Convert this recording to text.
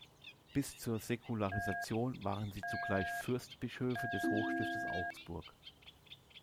Bis zur Säkularisation waren sie zugleich Fürstbischöfe des Hochstiftes Augsburg.